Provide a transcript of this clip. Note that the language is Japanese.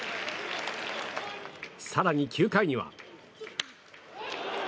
更に、９回には。